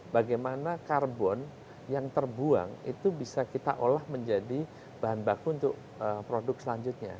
bagaimana karbon yang terbuang itu bisa kita olah menjadi bahan baku untuk produk selanjutnya